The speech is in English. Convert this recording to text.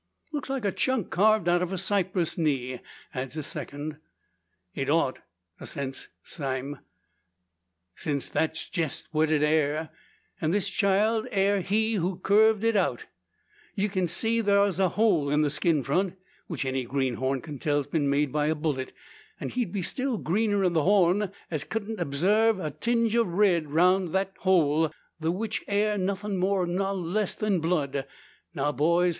"Looks like a chunk carved out of a cypress knee," adds a second. "It ought," assents Sime, "since that's jest what it air; an' this child air he who curved it out. Ye kin see thar's a hole in the skin front; which any greenhorn may tell's been made by a bullet: an' he'd be still greener in the horn as kedn't obsarve a tinge o' red roun' thet hole, the which air nothin' more nor less than blood. Now, boys!